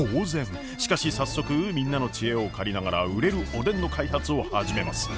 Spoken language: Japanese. しかし早速みんなの知恵を借りながら売れるおでんの開発を始めます。